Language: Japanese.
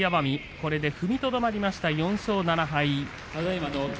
これで踏みとどまって４勝７敗。